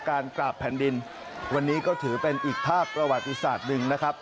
การกราบแผ่นดินวันนี้ก็ถือเป็นอีกภาพประวัติศาสตร์หนึ่งนะครับ